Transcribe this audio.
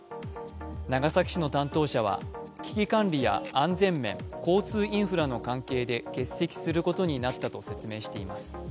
長崎市の担当者は危機管理や安全面交通インフラの関係で欠席することになったと説明しています。